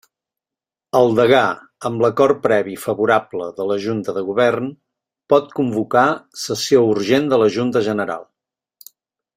El degà, amb l'acord previ favorable de la Junta de Govern, pot convocar sessió urgent de la Junta General.